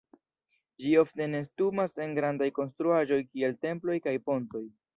Ĝi ofte nestumas en grandaj konstruaĵoj kiel temploj kaj pontoj.